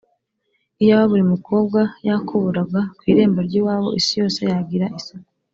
Iyaba buri mukobwa yakuburaga ku irembo ry’iwabo, isi yose yagira isuku